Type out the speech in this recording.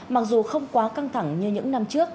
mặc dù không quá căng thẳng như những năm trước